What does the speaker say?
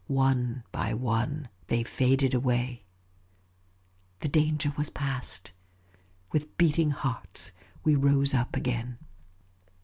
One by one they faded away. The danger was past. With beating hearts we rose up again.